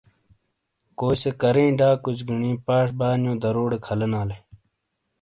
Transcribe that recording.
کوئی سے کریںے ڈاکوج گینی پاش بانیو دروٹے کھلینالے۔